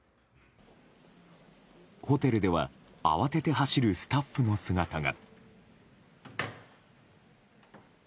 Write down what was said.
ホテルでは慌てて走るスタッフの姿が。